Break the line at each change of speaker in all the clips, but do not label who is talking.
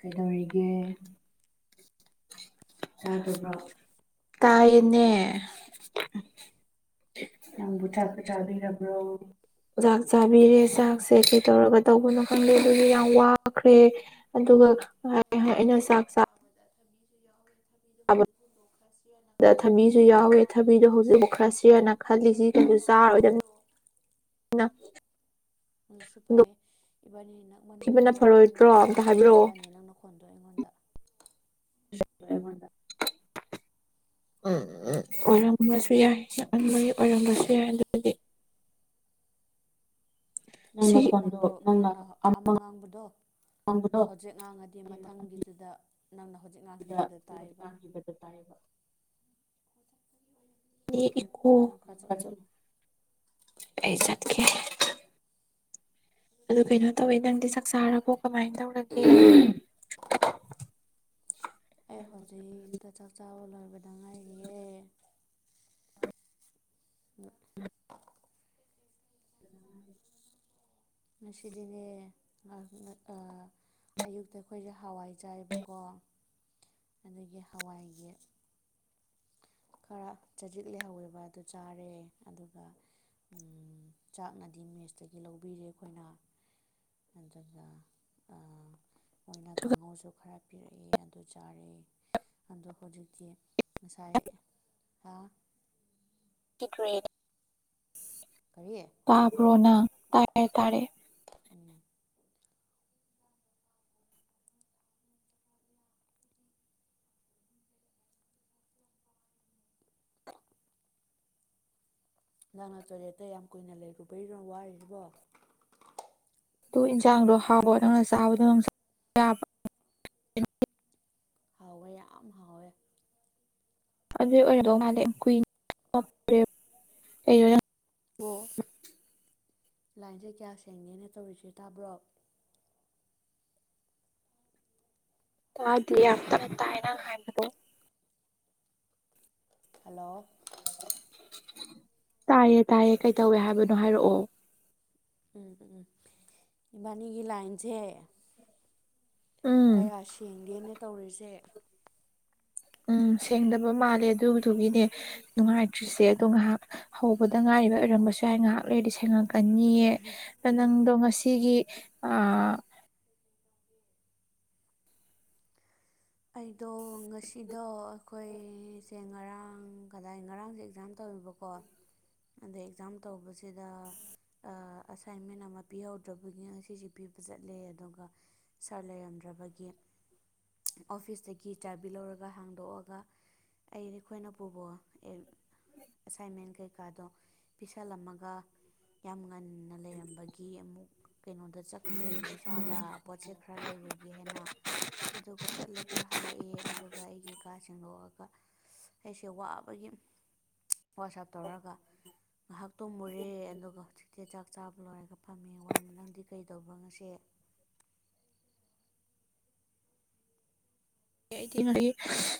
ꯀꯩꯗꯧꯔꯤꯒꯦ ꯇꯥꯗꯕ꯭ꯔꯣ
ꯇꯥꯏꯅꯦ ꯅꯪꯕꯨ ꯆꯥꯄ ꯆꯥꯕꯤꯔꯕ꯭ꯔꯣ ꯆꯥꯛ ꯆꯥꯕꯤꯔꯦ ꯆꯥꯛꯁꯦ ꯀꯩ ꯇꯧꯔꯒ ꯇꯧꯕꯅꯣ ꯈꯪꯗꯦ ꯑꯗꯨꯒꯤ ꯌꯥꯝ ꯋꯥꯈ꯭ꯔꯦ ꯑꯗꯨꯒ ꯑꯩꯅ ꯆꯥꯛ ꯆ
ꯁꯤ ꯏꯦ
ꯊꯕ ꯗ ꯊꯕꯤꯁꯨ ꯌꯥꯎꯋꯦ ꯊꯕꯤꯗꯣ ꯍꯧꯖꯤꯛꯐꯥꯎ ꯈꯔꯁꯦꯅ ꯈꯜꯂꯤꯁꯤ
ꯠꯇ ꯂꯣ [unintelligible]
ꯅ
ꯑꯗꯨꯁꯨ ꯐꯩꯌꯦ ꯏꯕꯥꯅꯤ ꯅꯪ
ꯍꯨꯟꯗꯣꯛꯈꯤꯕꯅ
ꯃꯟꯕꯒꯤꯔꯥ ꯈꯪꯗꯦ
ꯐꯔꯣꯏꯗ꯭ꯔꯣ ꯑꯝꯇ
ꯀꯌꯥ
ꯍꯥꯏꯕꯤꯔꯛꯑꯣ
ꯇꯥꯅꯤ ꯅꯪꯅ ꯎꯈꯣꯟꯗꯣ ꯑꯩꯉꯣꯟꯗ
ꯎꯝ ꯎꯝ ꯑꯣꯔꯝꯕꯁꯨ ꯌꯥ ꯝꯕꯒꯤ ꯑꯣꯏꯔꯝꯕꯁꯨ ꯌꯥꯏ ꯑꯗꯨꯗꯤ
ꯅꯪꯅ ꯈꯣꯟꯗꯣ ꯅꯪꯅ ꯑꯃ ꯉꯥꯡꯕꯗꯣ ꯍꯧꯖꯤꯛ ꯉꯥꯡꯉꯗꯤ ꯃꯊꯪꯒꯤꯗꯨꯗ ꯅꯪꯅ ꯍꯧꯖꯤꯛ ꯉꯥꯡꯈꯤꯕꯗ ꯇꯥꯏꯕ
ꯇꯥꯏꯕ ꯑꯩ ꯏꯀꯣ
ꯅꯪ ꯈꯔ ꯆꯠꯂꯣ
ꯐꯖꯜ ꯑꯩ ꯆꯠꯀꯦ ꯑꯗꯨ ꯀꯩꯅꯣ ꯇꯧꯋꯦ ꯅꯪꯗꯤ ꯁꯥꯛ ꯆꯥꯔꯔꯕꯣ ꯀꯃꯥꯏꯅ ꯇꯧꯔꯒꯦ
ꯑꯦ ꯍꯧꯖꯤꯛꯇ ꯆꯥꯛ ꯆꯥꯕ ꯂꯣꯏꯔꯕꯗ ꯎ ꯉꯁꯤꯗꯤꯅꯦ ꯑꯌꯨꯛꯇ ꯑꯩꯈꯣꯏꯁꯦ ꯍꯋꯥꯏ ꯆꯥꯏꯑꯕꯀꯣ ꯑꯗꯒꯤ ꯍꯋꯥꯏꯒꯤ ꯈꯔ ꯆꯖꯤꯛ ꯂꯩꯍꯧꯋꯦꯕ ꯑꯗꯨ ꯆꯥꯔꯦ ꯑꯗꯨꯒ ꯆꯥꯛꯅꯗꯤ ꯃꯦꯁꯇꯒꯤ ꯂꯧꯕꯤꯔꯦ ꯑꯩꯈꯣꯏꯅ ꯑꯗꯨꯒ ꯑꯗꯨꯒ ꯃꯣꯏꯅ ꯀꯥꯡꯉꯧꯁꯨ ꯈꯔ ꯄꯤꯔꯛꯑꯦ ꯑꯗꯨ ꯆꯥꯔꯦꯦ ꯑꯗꯣ ꯍꯧꯖꯤꯛꯇꯤ ꯉꯁꯥꯏ ꯊ
ꯇ
ꯀꯔꯤ
ꯄꯔꯣꯅ ꯇꯔꯦ ꯇꯥꯔꯦ
ꯎꯝ ꯅꯥꯡ ꯅꯆꯣꯔꯤꯦ ꯑꯇꯩ ꯌꯥꯝ ꯀꯨꯏꯅ ꯂꯩꯔꯨꯕꯩꯔꯣ ꯋꯥꯔꯤꯕꯣ
ꯑꯗꯨꯨ ꯏꯟꯁꯥꯡꯗꯣ ꯍꯥꯎꯕ ꯅꯪꯅ ꯆꯥꯕꯗꯣ ꯅ
ꯍꯥꯎꯋꯦ ꯌꯥꯝ ꯍꯥꯎꯋꯦ
ꯑꯗꯨ ꯑꯣꯏꯔꯗ ꯃꯥ ꯀꯨ ꯑꯣ
ꯂꯥꯏꯟꯁꯦ ꯀꯌꯥ ꯁꯦꯡꯒꯦꯅ ꯇꯧꯔꯤꯁꯦ ꯇꯥꯕ꯭ꯔꯣ
ꯇ ꯑ ꯇꯅ ꯇꯥꯏꯅ ꯍꯥꯏꯣ
ꯍꯜꯂꯣ
ꯇꯥꯏꯌꯦ ꯇꯥꯏꯌꯦ ꯀꯩ ꯇꯧꯋꯦ ꯍꯥꯏꯕꯅꯣ ꯍꯥꯏꯔꯛꯑꯣ
ꯎꯝ ꯎꯝ ꯎꯝ ꯏꯕꯥꯅꯤꯒꯤ ꯂꯥꯏꯟꯁꯦ
ꯎꯝ
ꯀꯌꯥ ꯁꯦꯡꯒꯦꯅ ꯇꯧꯔꯤꯁꯦ
ꯎꯝ ꯁꯦꯡꯗꯕ ꯃꯥꯜꯂꯦ ꯑꯗꯨꯗꯨꯒꯤꯅꯦ ꯅꯨꯡꯉꯥꯏꯇ꯭ꯔꯤꯁꯦ ꯑꯗꯣ ꯉꯥꯏꯍꯥꯛ ꯍꯧꯕꯗ ꯉꯥꯏꯔꯤꯕ ꯑꯣꯏꯔꯝꯕꯁꯨ ꯍꯥꯏ ꯉꯥꯏꯍꯥꯛ ꯂꯩꯔꯗꯤ ꯁꯦꯡꯉꯛꯀꯅꯤ ꯅꯪꯗꯣ ꯉꯁꯤꯒꯤ ꯑ
ꯑꯩꯗꯣ ꯉꯁꯤꯗꯣ ꯑꯩꯈꯣꯏꯁꯦ ꯉꯔꯥꯡ ꯀꯗꯥꯏ ꯉꯔꯥꯡꯁꯦ ꯑꯦꯛꯖꯥꯝ ꯇꯧꯕꯀꯣ ꯀꯣ ꯑꯗꯩ ꯑꯦꯛꯖꯥꯝ ꯇꯧꯕꯁꯤꯗ ꯑꯁꯥꯏꯟꯃꯦꯟ ꯑꯃ ꯄꯤꯍꯧꯗ꯭ꯔꯕꯒꯤ ꯉ ꯁꯤꯁ ꯄꯤꯕ ꯆꯠꯂꯦ ꯑꯗꯨꯒ ꯁꯥꯔ ꯂꯩꯔꯝꯗ꯭ꯔꯕꯒꯤ ꯑꯣꯐꯤꯁꯇꯒꯤ ꯆꯥꯕꯤ ꯂꯧꯔꯒ ꯍꯥꯡꯗꯣꯛꯑꯒ ꯑꯩ ꯑꯩꯈꯣꯏꯅ ꯄꯨꯕꯣ ꯑꯦꯁꯥꯏꯟꯃꯦꯟ ꯀꯩꯀꯥꯗꯣ ꯄꯤꯁꯜꯂꯝꯃꯒ ꯌꯥꯝ ꯉꯟꯅ ꯂꯩꯔꯝꯕꯒꯤ ꯑꯃꯨꯛ ꯀꯩꯅꯣꯗ ꯆꯠꯈ꯭ꯔꯦꯕꯤꯁꯥꯗ ꯄꯣꯠ ꯈꯔ ꯂꯩꯔꯨꯒꯦ ꯍꯥꯏꯅ ꯑꯗꯨꯒ ꯆꯠꯂꯒ ꯂꯥꯛꯑꯦ ꯑꯗꯨꯒ ꯑꯩꯒꯤ ꯀꯥ ꯁꯗꯣꯛꯑꯒ ꯑꯩꯁꯦ ꯋꯥꯕꯒꯤ ꯋꯥꯁꯦꯞ ꯇꯧꯔꯒ ꯉꯥꯏꯍꯥꯛꯇꯣ ꯃꯨꯔꯦ ꯑꯗꯨꯒ ꯍꯧꯖꯤꯛꯇꯤ ꯆꯥꯛ ꯆꯥꯕ ꯂꯣꯏꯔꯒ ꯐꯝꯃꯦ ꯋꯥꯅ ꯅꯪꯗꯤ ꯀꯩꯗꯧꯕ꯭ꯔꯣ ꯉꯁꯦ
ꯑꯩꯗꯤ ꯉꯥꯏꯍ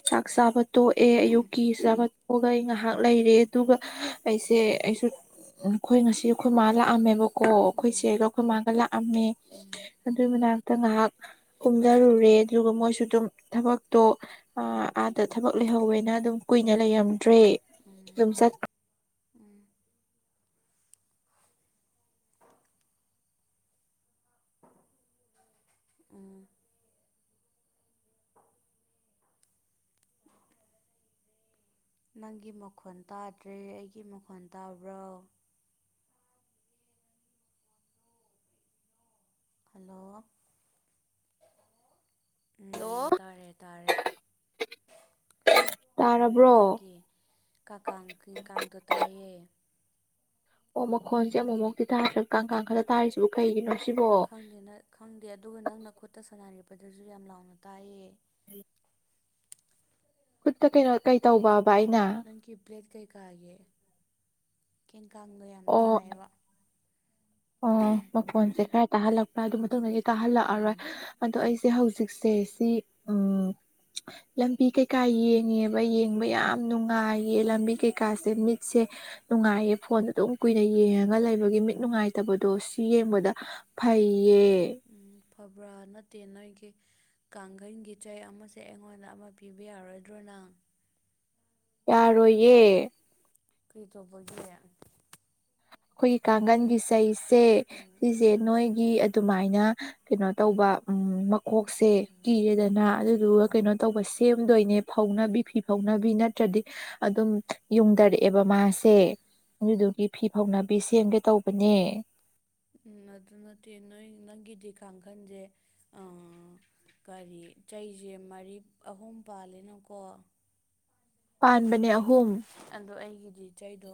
ꯆꯥꯛ ꯆꯥꯕ ꯇꯣꯛꯑꯦ ꯑꯌꯨꯛꯀꯤ ꯆꯥꯕ ꯇꯣꯛꯑꯒ ꯑꯩ ꯉꯥꯏꯍꯥꯛ ꯂꯩꯔꯦ ꯑꯗꯨꯒ ꯑꯩꯁꯦ ꯑꯩꯁꯨ ꯑꯩꯈꯣꯏ ꯉꯁꯤ ꯑꯩꯈꯣꯏ ꯃꯥ ꯂꯥꯛꯑꯝꯃꯦꯕꯀꯣ
ꯎꯝ
ꯑꯩꯈꯣꯏꯁꯦ ꯃꯒꯂ ꯑꯃꯝ
ꯎꯝ
ꯑꯗꯨꯏ ꯃꯅꯥꯛꯇ ꯉꯥꯏꯍꯥꯛ ꯀꯨꯝꯊꯔꯨꯔꯦ ꯑꯗꯨꯒ ꯃꯣꯏꯁꯨ ꯑꯗꯨꯝ ꯊꯕꯛꯇꯣ ꯑꯥꯗ ꯊꯕꯛ ꯂꯩꯍꯧꯋꯦꯅ ꯑꯗꯨꯝ ꯀꯨꯏꯅ ꯂꯩꯔꯝꯃꯦ
ꯎꯝ ꯎꯝ [unintelligible] ꯎꯝ [unintelligible] ꯅꯪꯒꯤ ꯃꯈꯣꯣꯟ ꯇꯥꯗ꯭ꯔꯦ ꯑꯩꯒꯤ ꯃꯈꯣꯣꯟ ꯇꯥꯕ꯭ꯔꯣ ꯍꯜꯂꯣ ꯎꯝ
ꯍꯜꯂꯣ
ꯎ ꯇꯥꯔꯦ ꯇꯥꯔꯦ ꯎꯝ
ꯇꯥꯔꯕ꯭ꯔꯣ
ꯅꯪꯒꯤ ꯀꯀ ꯀꯥꯡꯗꯣ ꯇꯥꯏꯌꯦ
ꯑꯣ ꯃꯈꯣꯟꯁꯦ ꯑꯃꯨꯛꯃꯨꯛꯇꯤ ꯊꯥꯔꯁꯤ ꯀꯥꯡ ꯀꯥꯡ ꯈꯛꯇ ꯊꯥꯔꯤꯁꯤꯕ ꯀꯩꯒꯤꯅꯣ ꯁꯤꯕꯣ
ꯈꯪꯗꯦ ꯅ ꯈꯪꯗꯦ ꯑꯗꯨꯒ ꯅꯪꯅ ꯈꯨꯠꯇ ꯁꯥꯟꯅꯔꯛꯄꯗꯁꯨ ꯌꯥꯝ ꯂꯥꯎꯅ ꯇꯥꯏꯌꯦ
ꯎꯝ ꯈꯨꯠꯇ ꯀꯩꯅꯣ ꯀꯩ ꯇꯧꯕꯕ ꯑꯩꯅ
ꯅꯪ ꯀ ꯏꯕ꯭ꯂꯦꯠ ꯀꯩ ꯀꯒꯦ ꯀꯡ ꯀꯪ ꯑꯇ
ꯑꯣ
ꯍꯥꯏꯕ
ꯑꯣ ꯃꯈꯣꯟꯁꯦ ꯈꯔ ꯇꯥꯍꯜꯂꯛꯄ ꯑꯗꯨ ꯃꯇꯨꯡꯗꯒꯤ ꯇꯥꯍꯜꯂꯛꯑꯔꯣꯏ
ꯎꯝ
ꯑꯗꯣ ꯑꯩꯁꯦ ꯍꯧꯖꯤꯛꯁꯦ ꯁꯤ ꯎꯝ ꯂꯝꯕꯤ ꯀꯩꯀꯥ ꯌꯦꯡꯉꯦꯕ ꯌꯦꯡꯕ ꯌꯥꯝ ꯅꯨꯡꯉꯥꯏꯌꯦ ꯂꯝꯕꯤ ꯀꯩꯀꯥꯁꯦ ꯃꯤꯠꯁꯦ ꯅꯨꯡꯉꯥꯏꯌꯦ ꯐꯣꯟꯗꯣ ꯑꯗꯨꯝ ꯀꯨꯏꯅ ꯌꯦꯡꯉꯒ ꯂꯩꯕꯒꯤ ꯃꯤꯠ ꯅꯨꯡꯉꯥꯏ ꯐꯠꯇꯕꯗꯣ ꯁꯤ ꯌꯦꯡꯕꯗ ꯐꯩꯌꯦ
ꯎ ꯐꯕ꯭ꯔꯥ ꯅꯠꯇꯦ ꯅꯣꯏꯒꯤ ꯀꯥꯡꯈꯟꯒꯤ ꯆꯩ ꯑꯃꯁꯦ ꯑꯩꯉꯣꯟꯗ ꯑꯃ ꯄꯤꯕ ꯌꯥꯔꯣꯏꯗ꯭ꯔꯣꯅ
ꯌꯥꯔꯣꯏꯌꯦ
ꯀꯩ ꯇꯧꯕꯒꯤ
ꯑꯩꯈꯣꯏꯒꯤ ꯀꯥꯡꯒꯟꯒꯤ ꯆꯩꯁꯦ
ꯎꯝ
ꯁꯤꯁꯦ ꯅꯣꯏ ꯒꯤ ꯑꯗꯨꯃꯥꯏꯅ ꯀꯩꯅꯣ ꯇꯧꯕ ꯃꯀꯣꯛꯁꯦ ꯀꯤꯔꯦꯗꯅ ꯑꯗꯨ ꯑꯗꯨꯒ ꯀꯩꯅꯣ ꯇꯧꯕ ꯁꯦꯝꯗꯣꯏꯅꯦ ꯐꯧꯅꯕꯤ ꯐꯤ ꯐꯥꯎꯅꯕꯤ ꯅꯠꯇ꯭ꯔꯗꯤ ꯑꯗꯨꯝ ꯌꯨꯡꯊꯔꯛꯑꯦꯕ ꯃꯥꯁꯦ ꯑꯗꯨꯗꯨꯒꯤ ꯐꯤ ꯐꯧꯅꯕꯤ ꯁꯦꯝꯒꯦ ꯇꯧꯕꯅꯦ
ꯎꯝ ꯑꯗꯨ ꯅꯠꯇꯦ ꯅꯣꯏ ꯅꯪꯒꯤꯗꯤ ꯀꯥꯡꯈꯟꯁꯦ ꯀꯔꯤ ꯆꯩꯁꯦ ꯃꯔꯤ ꯑꯍꯨꯝ ꯄꯥꯜꯂꯤꯅꯣꯀꯣ
ꯄꯥꯟꯕꯅꯦ ꯑꯍꯨꯝ
ꯑꯗꯣ ꯑꯩꯒꯤꯗꯤ ꯆꯩꯗꯣ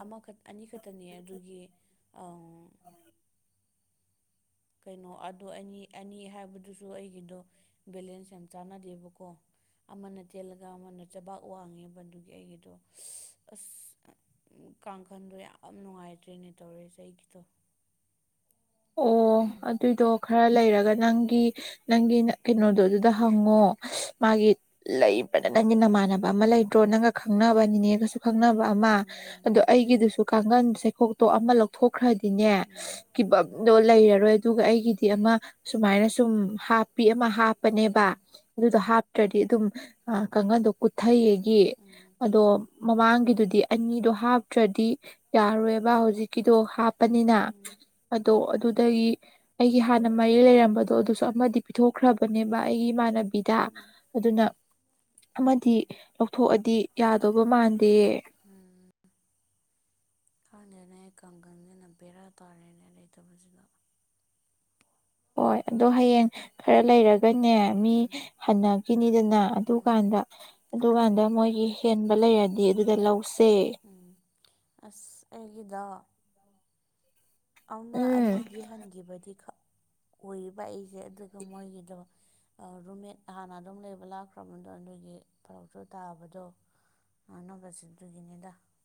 ꯑꯃꯈꯛ ꯑꯅꯤꯈꯛꯇꯅꯦ ꯑꯗꯨꯒꯤ ꯀꯩꯅꯣ ꯑꯗꯨꯗ ꯑꯅꯤ ꯑꯅꯤ ꯍꯥꯏꯕꯗꯨꯁꯨ ꯑꯩꯒꯤꯗꯣ ꯕꯦꯂꯦꯟꯁ ꯌꯥꯝ ꯆꯥꯟꯅꯗꯦꯕꯀꯣ ꯑꯃꯅ ꯇꯦꯜꯂꯒ ꯑꯃꯅ ꯆꯕꯥꯛ ꯋꯥꯡꯉꯦꯕ ꯑꯗꯨꯒꯤ ꯑꯩꯒꯤꯗꯣ ꯑꯁ ꯀꯥꯡꯈꯟꯗꯣ ꯌꯥꯝ ꯅꯨꯡꯉꯥꯏꯇ꯭ꯔꯦꯅꯦ ꯇꯧꯔꯦꯁꯦ ꯑꯩꯒꯤꯗꯣ
ꯑꯣ ꯑꯗꯨꯏꯗꯣ ꯈꯔ ꯂꯩꯔꯒ ꯅꯪꯒꯤ ꯅꯪꯒꯤ ꯀꯩꯅꯣꯗꯣ ꯑꯗꯨꯗ ꯍꯪꯉꯣ ꯃꯥꯒꯤ ꯂꯩꯕ꯭ꯔꯗ ꯅꯪꯒꯤ ꯅꯃꯥꯟꯅꯕ ꯑꯃ ꯂꯩꯗ꯭ꯔꯣ ꯅꯪꯒ ꯈꯪꯅꯕꯅꯤꯅꯦꯒꯁꯨ ꯈꯪꯅꯕ ꯑꯃ
ꯎꯝ
ꯑꯗꯣ ꯑꯩꯒꯤꯗꯨꯁꯨ ꯀꯥꯡꯒꯟ ꯆꯩꯈꯣꯛꯇꯣ ꯑꯃ ꯂꯧ ꯊꯣꯛꯈ꯭ꯔꯗꯤꯅꯦ
ꯎꯝ
[unintelligible] ꯂꯩꯔꯔꯣꯏ ꯑꯗꯨꯒ ꯑꯩꯒꯤꯗꯤ ꯑꯃ ꯁꯨꯃꯥꯏꯅ ꯁꯨꯝ ꯍꯥꯞꯄꯤ ꯑꯃ ꯍꯥꯞ ꯍꯥꯞꯄꯅꯦꯕ
ꯎꯝ
ꯑꯗꯨꯗꯣ ꯍꯥꯞꯇ꯭ꯔꯗꯤ ꯑꯗꯨꯝ ꯀꯥꯡꯈꯟꯗꯣ ꯀꯨꯊꯩꯑꯦ ꯒꯤ
ꯎꯝ
ꯑꯗꯣ ꯃꯃꯥꯡꯒꯤꯗꯨꯗꯤ ꯑꯅꯤꯗꯣ ꯍꯥꯞꯇ꯭ꯔꯗꯤ ꯌꯥꯔꯣꯏꯕ ꯍꯧꯖꯤꯛꯀꯤꯗꯣ ꯍꯥꯞꯄꯅꯤꯅ
ꯎꯝ
ꯑꯗꯣ ꯑꯗꯨꯗꯩ ꯑꯩꯒꯤ ꯍꯥꯟꯅ ꯃꯔꯤ ꯂꯩꯔꯝꯕꯗꯣ ꯑꯗꯨꯁꯨ ꯑꯃꯗꯤ ꯄꯤꯊꯣꯛꯈ꯭ꯔꯕꯅꯦꯕ ꯑꯩꯒꯤ ꯏꯃꯥꯟꯅꯕꯤ ꯕꯤꯗ
ꯎꯝ
ꯑꯗꯨꯅ ꯑꯃꯗꯤ ꯂꯧꯊꯣꯛꯑꯗꯤ ꯌꯥꯗꯧꯕ ꯃꯥꯟꯗꯦ
ꯎꯝ ꯈꯪꯗꯧꯅꯦ ꯀꯥꯡꯒꯜꯁꯤꯅ ꯕꯦꯔꯥ ꯇꯥꯔꯦꯅꯦ ꯂꯩꯇꯕꯁꯤꯗ
ꯍꯣꯏ ꯑꯗꯣ ꯍꯌꯦꯡ ꯈꯔ ꯂꯩꯔꯒ ꯅꯦ ꯃꯤ
ꯎꯝ
ꯍꯟꯅꯈꯤꯅꯤꯗꯅ ꯑꯗꯨ
ꯎꯝ
ꯀꯥꯟꯗ ꯑꯗꯨꯀꯥꯟꯗ ꯃꯣꯏꯒꯤ ꯍꯦꯟꯕ ꯂꯩꯔꯗꯤ ꯑꯗꯨꯗꯩ ꯂꯧꯁꯦ
ꯎꯝ ꯑꯁ ꯑꯩꯒꯤꯗꯣ ꯑꯧ ꯅꯪ
ꯎꯝ
ꯑꯅꯤꯗꯤ ꯍꯟꯈꯤꯕꯗꯤ ꯈꯡ ꯎꯏꯌꯦꯕ ꯑꯩꯁꯦ ꯑꯗꯨꯒ ꯃꯣꯏꯒꯤꯗꯣ ꯑ ꯔꯨꯝꯃꯦꯠ ꯍꯥꯟꯅ ꯑꯗꯨꯝ ꯂꯩꯕ ꯂꯥꯛꯈ꯭ꯔꯕꯗꯣ ꯑꯗꯨꯒꯤ ꯐꯔꯛꯁꯨ ꯇꯥꯕꯗꯣ [unintelligible]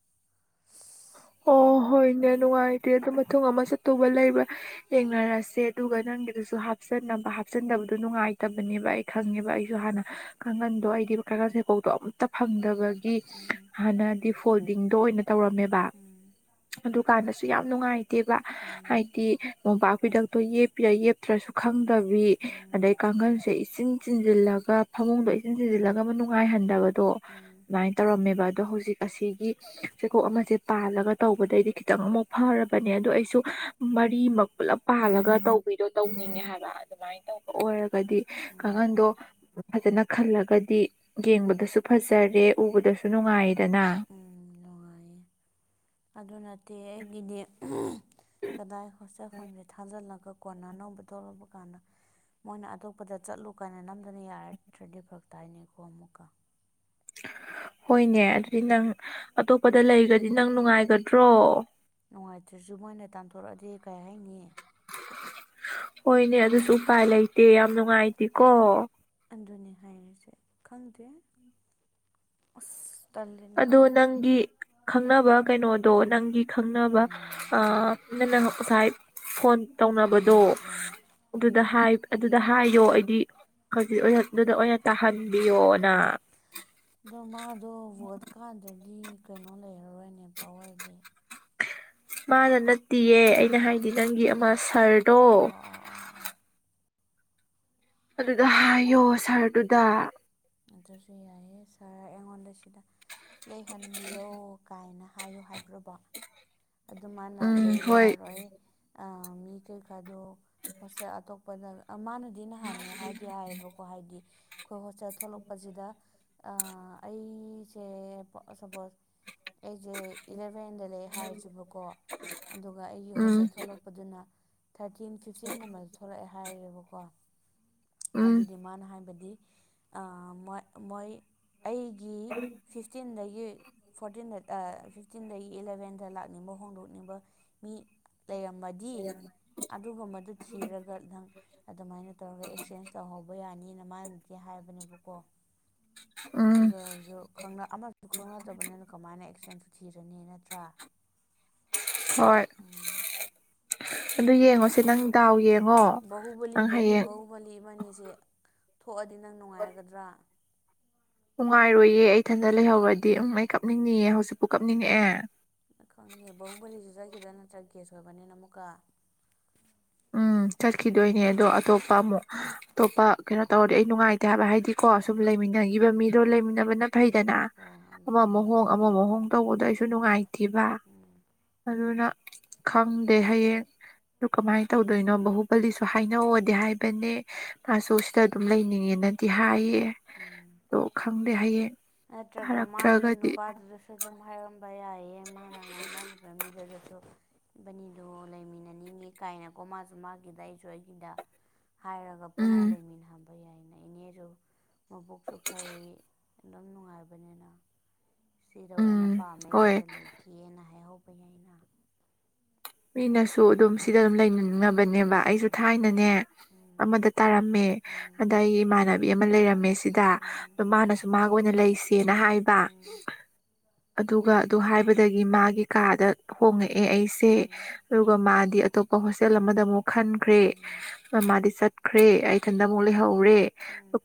ꯑꯣ ꯍꯣꯏꯅꯦ ꯅꯨꯡꯉꯥꯏꯇꯦ ꯑꯗꯨ ꯃꯇꯨꯡ ꯑꯃ ꯆꯠꯇꯨꯕ ꯂꯩꯕ ꯌꯦꯡꯅꯔꯁꯦ ꯑꯗꯨꯒ ꯅꯪꯒꯤꯗꯨꯁꯨ ꯍꯥꯞꯆꯠꯅꯕ ꯍꯥꯞꯆꯤꯟꯗꯕꯗꯣ ꯅꯨꯡꯉꯥꯏꯇꯕꯅꯦꯕ ꯑꯩ ꯈꯪꯉꯦꯕ ꯑꯩꯁꯨ ꯍꯥꯟꯅ ꯀꯥꯡꯒꯟꯗꯣ ꯑꯩꯗꯤ ꯀꯥꯡꯉꯜ ꯆꯩꯈꯣꯛꯗꯣ ꯑꯝꯇ ꯐꯪꯗꯕꯒꯤ ꯒꯤ
ꯎꯝ
ꯍꯥꯟꯅꯗꯤ ꯐꯣꯜꯗꯤꯡꯗꯣ ꯑꯣꯏꯅ ꯇꯧꯔꯝꯃꯦꯕ
ꯎꯝ
ꯑꯗꯨꯀꯥꯟꯗꯁꯨ ꯌꯥꯝ ꯅꯨꯡꯉꯥꯏꯇꯦꯕ
ꯎꯝ
ꯍꯥꯏꯗꯤ ꯃꯣꯄꯥꯛꯄꯤꯗꯛꯇꯣ ꯌꯦꯄꯤꯔꯥ ꯌꯦꯞꯇ꯭ꯔꯁꯨ ꯈꯪꯗꯕꯤ
ꯎꯝ
ꯑꯗꯩ ꯀꯥꯡꯈꯜꯁꯦ ꯏꯆꯤꯟ ꯆꯤꯟꯖꯤꯜꯂꯒ ꯐꯃꯨꯡꯗꯣ ꯏꯟꯆꯤꯟ ꯆꯤꯟꯖꯤꯜꯂꯒ ꯑꯃ ꯅꯨꯡꯉꯥꯏꯍꯟꯗꯕꯗꯣ
ꯎꯝ
ꯑꯗꯨꯃꯥꯏꯅ ꯇꯧꯔꯝꯃꯦꯕ ꯑꯗꯣ ꯍꯧꯖꯤꯛ ꯑꯁꯤꯒꯤ ꯆꯩꯀꯣꯛ ꯑꯃꯁꯦ ꯄꯥꯜꯂꯒ ꯇꯧꯕꯗꯩꯗꯤ ꯈꯤꯇꯪ ꯑꯍꯨꯛ ꯐꯔꯕꯅꯦ ꯑꯗꯨ ꯑꯩꯁꯨ ꯃꯔꯤꯃꯛ ꯄꯨꯂꯞ ꯄꯥꯟꯂꯒ ꯇꯧꯕ ꯍꯨꯏꯗꯣ ꯇꯧꯅꯤꯡꯉꯦ ꯍꯥꯏꯕ ꯑꯗꯨꯃꯥꯏꯅ ꯇꯧꯕ ꯑꯣꯏꯔꯒꯗꯤ
ꯎꯝ
ꯀꯥꯡꯈꯟꯗꯣ ꯐꯖꯅ ꯈꯜꯂꯒꯗꯤ ꯌꯦꯡꯕꯗꯁꯨ ꯐꯖꯔꯦ ꯎꯕꯗꯁꯨ ꯅꯨꯡꯉꯥꯏꯗꯅ
ꯎꯝ ꯅꯨꯡꯉꯥꯏꯌꯦ ꯑꯗꯨ ꯅꯠꯇꯦ ꯑꯩꯒꯤꯗꯤ ꯀꯗꯥꯏ ꯍꯣꯁꯇꯦꯜ ꯐ꯭ꯔꯣꯝꯁꯦ ꯊꯥꯖꯤꯜꯂꯒ ꯀꯣꯟꯅ ꯑꯅꯧꯕ ꯊꯣꯛꯂꯛꯄ ꯀꯥꯟꯗ ꯃꯣꯏꯅ ꯑꯇꯣꯞꯄꯗ ꯆꯠꯂꯨ ꯀꯥꯏꯅ ꯅꯝꯗꯅ ꯌꯥꯔꯛꯗ꯭ꯔꯗꯤ ꯐꯥꯔꯛꯇꯏꯅꯦꯀꯣ ꯑꯃꯨꯛꯀ
ꯍꯣꯏꯅꯦ ꯑꯗꯨꯗꯤ ꯅꯪ ꯑꯇꯣꯞꯄꯗ ꯂꯩꯒ꯭ꯔꯗꯤ ꯅꯪ ꯅꯨꯡꯉꯥꯏꯒꯗ꯭ꯔꯣ
ꯅꯨꯡꯉꯥꯏꯇ꯭ꯔꯁꯨ ꯃꯣꯏꯅ ꯇꯥꯟꯊꯣꯔꯛꯑꯗꯤ ꯑꯩ ꯀꯩ ꯍꯥꯏꯅꯤ
[unintelligible] ꯍꯣꯏꯅꯦ ꯑꯗꯨꯁꯨ ꯎꯄꯥꯏ ꯂꯩꯇꯦ ꯌꯥꯝ ꯅꯨꯡꯉꯥꯏꯇꯦꯀꯣ
ꯑꯗꯨꯅꯤ ꯍꯥꯏꯔꯤꯁꯦ ꯈꯪꯗꯦ ꯑꯁ ꯇꯜꯂꯦꯅꯦ
ꯑꯗꯣ ꯅꯪꯒꯤ ꯈꯪꯅꯕ ꯀꯩꯅꯣꯗꯣ ꯅꯪꯒꯤ ꯈꯪꯅꯕ
ꯎꯝ
ꯑ ꯅꯪꯅ ꯉꯁꯥꯏ ꯐꯣꯟ ꯇꯧꯅꯕꯗꯣ
ꯎꯝ ꯎꯝ
ꯑꯗꯨꯗ ꯍꯥꯏ ꯑꯗꯨꯗ ꯍꯥꯏꯌꯣ ꯑꯩꯗꯤ ꯈꯖꯤꯠ ꯑꯗꯨꯗ ꯑꯣꯏꯅ ꯇꯥꯍꯟꯕꯤꯌꯣꯅ
ꯎꯝ ꯑꯗꯣ ꯃꯥꯗꯣ ꯚꯣꯠ ꯀꯥꯟꯗ꯭ꯔꯗꯤ ꯀꯩꯅꯣ ꯂꯩꯔꯔꯣꯏꯅꯦ ꯄꯋꯥꯔꯗꯤ
ꯃꯥꯅ ꯅꯠꯇꯦꯌꯦ ꯑꯩꯅ ꯍꯥꯏꯗꯤ ꯅꯪꯒꯤ ꯑꯃ ꯁꯔ
ꯑꯣ ꯑꯣ ꯑꯥꯣ ꯑꯣ
ꯑꯗꯨꯗ ꯍꯥꯏꯌꯣ ꯁꯥꯔꯗꯨꯗ
ꯑꯗꯨꯁꯨ ꯌꯥꯏꯑꯦ ꯁꯥꯔ ꯑꯩꯉꯣꯟꯗ ꯁꯤꯗ ꯂꯩꯍꯟꯕꯤꯌꯣ ꯀꯥꯏꯅ ꯍꯥꯏꯌꯨ ꯍꯥꯏꯕ꯭ꯔꯕ ꯑꯗꯨ ꯃꯥꯅ
ꯎꯝ
ꯂꯩꯕ
ꯍꯣꯏ
ꯌꯥꯔꯣꯏ ꯑ ꯃꯤ ꯀꯩ ꯑꯗꯣ ꯍꯣꯁꯇꯦꯜ ꯑꯇꯣꯞꯄꯗ ꯃꯥꯅꯗꯤ ꯅꯍꯥꯟ ꯍꯥꯏꯗꯤ ꯍꯥꯏꯌꯦꯕꯀꯣ ꯍꯥꯏꯗꯤ ꯑꯩꯈꯣꯏ ꯍꯣꯁꯇꯦꯜ ꯊꯣꯛꯂꯛꯄꯁꯤꯗ ꯑ ꯑꯩꯁꯦ ꯁꯄꯣꯁ ꯑꯩꯁꯦ ꯏꯂꯚꯦꯟꯗ ꯂꯩ ꯍꯥꯏꯔꯤꯁꯤꯕꯀꯣ ꯑꯗꯨꯒ ꯑꯩꯒꯤ ꯍꯣꯠꯁꯦ
ꯎꯝ
ꯊꯣꯛꯂꯛꯄ ꯄꯗꯨꯅ ꯊꯥꯔꯇꯤꯟ ꯐꯤꯐꯇꯤꯟꯒꯨꯝꯕꯁꯨ ꯊꯣꯛꯂꯛꯑꯦ ꯍꯥꯏꯔꯦꯕꯀꯣ
ꯎꯝ
ꯑꯗꯨꯗꯤ ꯃꯥꯅ ꯍꯥꯏꯕꯗꯤ ꯃꯣꯏ ꯑꯩꯒꯤ ꯐꯤꯐ ꯐꯤꯐꯇꯤꯟꯗꯒꯤ ꯐꯣꯔꯇꯤꯟꯗ ꯐꯤꯐꯇꯤꯟꯗꯒꯤ ꯏꯂꯚꯦꯟꯗ ꯂ ꯣꯛꯅꯤꯡꯕ ꯍꯣꯡꯗꯣꯛꯅꯤꯡꯕ ꯃꯤ ꯂꯩꯔꯃꯗꯤ ꯑꯗꯨꯒꯨꯝꯕꯗꯨ ꯊꯤꯔꯒ ꯅꯪ ꯑꯗꯨꯃꯥꯏꯅ ꯇꯧꯔꯒ ꯑꯦꯛꯆꯦꯟꯁ ꯇꯧꯍꯧꯕ ꯌꯥꯅꯤꯅ ꯃꯥꯅꯗꯤ ꯍꯥꯏꯕꯅꯦꯕꯀꯣ
ꯎꯝ
ꯑꯗꯔꯁꯨ ꯑꯃꯁꯁꯨ ꯈꯪꯅꯗꯕꯅꯤꯅ ꯀꯃꯥꯏꯅ ꯑꯦꯛꯁꯤꯗꯦꯟꯁꯨ ꯊꯤꯔꯅꯤ ꯅꯠꯇ꯭ꯔꯥ
ꯍꯣꯏ
ꯎꯝ
ꯑꯗꯨ ꯌꯦꯡꯉꯣꯁꯤ ꯅꯪ ꯗꯥꯎ ꯌꯦꯡꯉꯣ ꯅꯪ ꯍꯌꯦꯡ
ꯃꯣꯂꯤ ꯏꯃꯅꯦꯁꯦ ꯊꯣꯛꯑꯗꯤ ꯅꯪ ꯅꯨꯡꯉꯥꯏꯒꯗ꯭ꯔꯥ
ꯅꯨꯡꯉꯥꯏꯔꯣꯏꯌꯦ ꯏꯊꯟꯇ ꯂꯩꯍꯧꯔꯗꯤ ꯎꯝ ꯑꯩ ꯀꯞꯅꯤꯡꯑꯦ ꯍꯧꯖꯤꯛꯄꯨ ꯀꯞꯅꯤꯡꯉꯛꯑꯦ
ꯈꯪꯗꯦ ꯕꯍꯨꯝꯕꯂꯤꯁꯨ ꯆꯠꯈꯤꯗ꯭ꯔꯥ ꯅꯠꯇ꯭ꯔꯒ ꯒꯦꯁ ꯑꯣꯏꯕꯅꯤꯅ ꯑꯃꯨꯛꯀ
ꯎꯝ ꯆꯠꯈꯤꯗꯣꯏꯅꯦ ꯑꯗꯣ ꯑꯇꯣꯞꯄ ꯑꯃꯨꯛ ꯑꯇꯣꯞꯄ ꯀꯩꯅꯣ ꯇꯧꯔꯗꯤ ꯑꯩ ꯅꯨꯡꯉꯥꯏꯇꯦ ꯍꯥꯏꯕ ꯍꯥꯏꯗꯤ ꯀꯣ ꯁꯨꯝ
ꯎꯝ
ꯂꯩꯃꯤꯟꯅꯈꯤꯕ ꯃꯤꯗꯣ ꯂꯩꯃꯤꯟꯅꯕꯅ ꯐꯩꯗꯅ
ꯍꯣ
ꯑꯃ
ꯑꯗꯨꯅꯦ
ꯑꯃꯨꯛ ꯍꯣꯡꯉ ꯑꯃꯃ ꯍꯣꯡ ꯇꯧꯕꯗꯣ ꯑꯩꯁꯨ ꯅꯨꯡꯉꯥꯏꯇꯕ
ꯎꯝ
ꯑꯗꯨꯅ ꯈꯪꯗꯦ ꯍꯌꯦꯡ ꯑꯗꯨ ꯀꯃꯥꯏꯅ ꯇꯧꯗꯣꯏꯅꯣ ꯕꯥꯍꯨꯕꯂꯤꯁꯨ ꯍꯥꯏꯅꯧꯗꯤ ꯍꯥꯏꯕꯅꯦ ꯃꯥꯁꯨ ꯁꯤꯗ ꯑꯗꯨꯝ ꯂꯩꯅꯤꯡꯉꯦꯅꯗꯤ ꯍꯥꯏꯌꯦ
ꯎꯝ
ꯑꯗꯨꯣ ꯈꯪꯗꯦ ꯍꯥꯏꯌꯦ
ꯅꯠꯇ꯭ꯔꯒ ꯃꯥꯒꯤ ꯅꯨꯄꯥꯗꯨ ꯑꯗꯨꯁꯨ ꯑꯗꯨꯝ ꯍꯥꯏꯔꯝꯕ ꯌꯥꯏꯌꯦ ꯃꯥꯅ ꯉꯥꯡꯅꯔꯤꯕ ꯃꯤꯗꯨꯗꯁꯨ ꯕꯅꯤꯗꯣ ꯂꯩꯃꯤꯟꯅꯅꯤꯡꯉꯤ ꯀꯥꯏꯅꯀꯣ ꯃꯥꯁꯨ ꯃꯥꯒꯤꯗ ꯑꯩꯁꯨ ꯑꯩꯒꯤꯗ ꯍꯥꯏꯔꯒ ꯄꯨꯟꯅ
ꯎꯝ
ꯂꯩꯃꯤꯟꯅꯍꯕ ꯌꯥꯏꯅ ꯏꯅꯦꯁꯨ ꯃꯕꯨꯛꯁꯨ ꯐꯩ ꯑꯗꯨꯝ ꯅꯨꯡꯉꯥꯏꯕꯅꯤꯅ ꯁꯤꯗꯣ ꯑꯩꯅ
ꯎꯝ
ꯄꯥꯝꯅꯩ
ꯍꯣꯏ
ꯁꯤꯗ ꯂꯩꯈꯤꯦꯅ ꯍꯥꯏꯍꯧꯕ ꯌꯥꯏꯩꯅ
ꯃꯤꯅꯁꯨ ꯑꯗꯨꯝ ꯁꯤꯗ ꯑꯗꯨꯝ ꯂꯩꯅꯅꯕ ꯅꯦꯕ ꯑꯩꯁꯨ ꯊꯥꯏꯅꯅꯦ ꯑꯃꯗ ꯇꯥꯔꯝꯃꯦ ꯑꯗ ꯑꯩ ꯏꯃꯥꯟ ꯍꯥꯏꯕ ꯑꯗꯨꯒ ꯑꯗꯨ ꯍꯥꯏꯕꯗꯒꯤ ꯃꯥꯒꯤ ꯀꯥꯗ ꯍꯣꯡꯉꯛꯑꯦ ꯑꯩꯁꯦ ꯑꯗꯨꯒ ꯃꯥꯗꯤ ꯑꯇꯣꯞꯄ ꯍꯣꯁꯇꯦꯜ ꯑꯃꯗ ꯑꯃꯨꯛ ꯈꯟꯈ꯭ꯔꯦ ꯃꯥꯗꯤ ꯆꯠꯈ꯭ꯔꯦ ꯏꯊꯟꯗ ꯑꯃꯨꯛ ꯂꯩꯍꯧꯔꯦ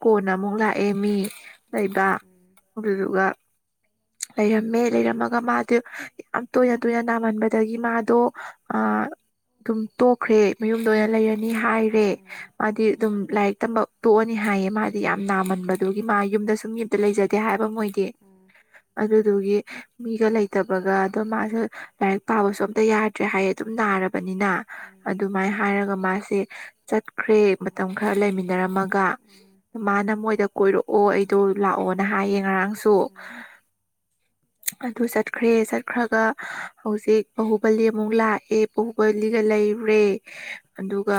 ꯀꯣꯟꯅ ꯑꯃꯨꯛ ꯂꯥꯛꯑꯦ ꯃꯤ ꯂꯩꯕ ꯍꯧꯕꯤꯔꯒ ꯂꯩꯔꯝꯃꯦ ꯂꯩꯔꯝꯃꯒ ꯃꯥꯗꯤ ꯌꯥꯝ ꯇꯣꯏꯅ ꯇꯣꯏꯅ ꯅꯥꯝꯃꯟꯕꯗꯒꯤ ꯃꯥꯗꯣ ꯑꯗꯨꯝ ꯇꯣꯛꯈ꯭ꯔꯦ ꯃꯌꯨꯝꯗ ꯑꯣꯏꯅ ꯂꯩꯔ ꯅꯤ ꯍꯥꯏꯔꯦ ꯃꯥꯗꯤ ꯑꯗꯨꯝ ꯂꯥꯏꯔꯤꯛ ꯇꯝꯕ ꯇꯣꯛꯑꯅꯤ ꯍꯥꯏꯌꯦ ꯃꯥꯗꯤ ꯌꯥꯝ ꯅꯥꯃꯟꯕꯗꯨꯒꯤ ꯃꯥ ꯌꯨꯝꯗ ꯁꯨꯝ ꯌꯨꯝꯗ ꯂꯩꯖꯗꯦ ꯍꯥꯏꯕ ꯃꯣꯏꯗꯤ ꯑꯗꯨꯗꯨꯒꯤ ꯃꯤꯒ ꯂꯩꯇꯕꯒ ꯑꯗꯣ ꯃꯥꯁꯨ ꯂꯥꯏꯔꯤꯛ ꯄꯥꯕꯁꯨ ꯑꯝꯇ ꯌꯥꯔ ꯇ꯭ꯔꯦ ꯍꯥꯏꯌꯦ ꯑꯗꯨꯝ ꯅꯥꯔꯕꯅꯤꯅ ꯑꯗꯨꯃꯥꯏꯅ ꯍꯥꯏꯔꯒ ꯃꯥꯁꯦ ꯆꯠꯈ꯭ꯔꯦ ꯃꯇꯝ ꯈꯔ ꯂꯩꯃꯤꯟꯅꯔꯝꯃꯒ ꯃꯥꯅ ꯃꯣꯏꯗ ꯀꯣꯏꯔꯛꯑꯣ ꯑꯩꯗꯣ ꯂꯥꯛꯑꯣꯅ ꯍꯥꯏꯌꯦ ꯉꯔꯥꯡꯁꯨ ꯑꯗꯨ ꯆꯠꯈ꯭ꯔꯦ ꯆꯠꯈ꯭ꯔꯒ ꯍꯧꯖꯤꯛ ꯕꯥꯍꯨꯕꯂꯤ ꯑꯃꯨꯛ ꯂꯥꯛꯑꯦ ꯎꯕ ꯂꯤꯒ ꯂꯩꯔꯨꯔꯦ ꯑꯗꯨꯒ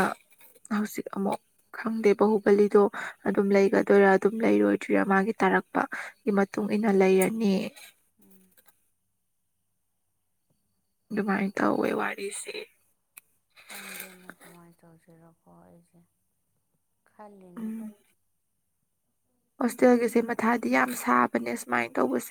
ꯍꯧꯖꯤꯛ ꯑꯃꯨꯛ ꯈꯪꯗꯦ ꯍꯨꯕꯂꯤꯗꯣ ꯑꯗꯨꯝ ꯂꯩꯒꯗꯣꯏꯔꯥ ꯑꯗꯨꯝ ꯂꯩꯔꯣꯏꯗ꯭ꯣꯏꯔꯥ ꯃꯥꯒꯤ ꯇꯥꯔꯛꯄꯒꯤ ꯃꯇꯨꯡ ꯏꯟꯅ ꯂꯩꯔꯅꯤ
ꯎꯝ
ꯃꯥꯏꯅ ꯇꯧ ꯑꯣꯏꯦ ꯋꯥꯔꯤꯁꯦ
ꯈꯪꯗꯦꯅꯦ ꯀꯃꯥꯏ ꯇꯧꯁꯤꯔꯀꯣ ꯑꯣꯏꯁꯦ ꯈꯂꯤꯅꯦ
ꯎꯝ ꯍꯣꯁꯇꯦꯜꯒꯤꯁꯦ ꯃꯊꯥꯗꯤ ꯌꯥꯝ ꯁꯥꯕꯅꯦ ꯁꯨꯃꯥꯏꯅ ꯇꯧꯕꯁꯦ